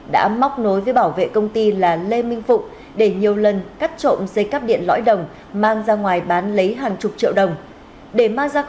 đã móc nối với bảo vệ công ty là lê minh phụng để nhiều lần cắt trộm dây cắp điện lõi đồng mang ra ngoài bán lấy hàng chục triệu đồng